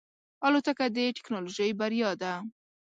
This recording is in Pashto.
الوتکه د ټکنالوژۍ بریا ده.